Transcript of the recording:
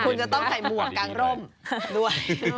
คุณจะต้องใส่หมวกกางร่มด้วย